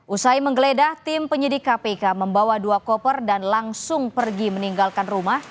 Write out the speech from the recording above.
usai menggeledah tim penyidik kpk membawa dua koper dan langsung pergi meninggalkan rumah